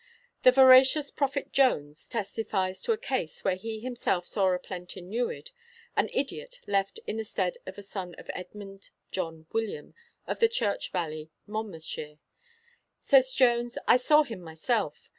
The veracious Prophet Jones testifies to a case where he himself saw the plentyn newid an idiot left in the stead of a son of Edmund John William, of the Church Valley, Monmouthshire. Says Jones: 'I saw him myself.